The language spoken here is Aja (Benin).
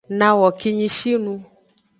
Nawo kinyishinu.